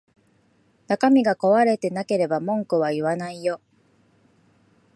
中身が壊れてなければ文句は言わないよ